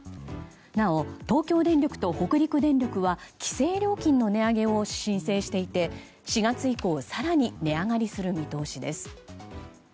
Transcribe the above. なお、東京電力と北陸電力は規制料金の値上げを申請していて、４月以降更に値上がりする見通しです。